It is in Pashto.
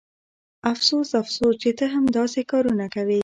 افسوس افسوس چې ته هم داسې کارونه کوې